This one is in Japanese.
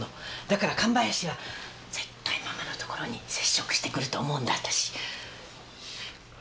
だから神林は絶対ママのところに接触してくると思うんだ私。